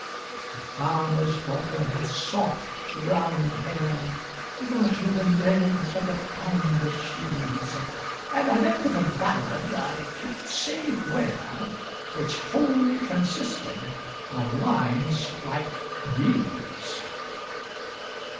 The farmerŌĆÖs daughter hath soft brown hair; (Butter and eggs and a pound of cheese) And I met with a ballad, I canŌĆÖt say where, Which wholly consisted of lines like these.